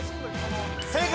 正解！